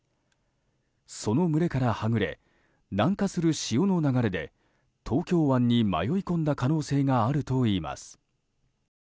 その群れからはぐれ南下する潮の流れで東京湾に迷い込んだ可能性があるといいます。